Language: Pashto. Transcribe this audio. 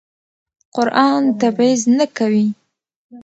قرآن تبعیض نه کوي.